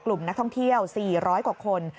กลุ่มนักท่องเที่ยว๔๐๐กว่าคน